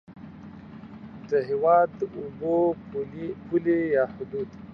د هېواد د اوبو پولې یا حدود